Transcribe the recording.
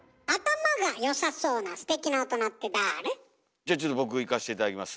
じゃちょっと僕いかして頂きます。